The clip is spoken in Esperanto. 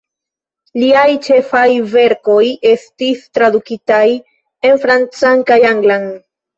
Liaj ĉefaj verkoj estis tradukitaj en francan kaj anglan.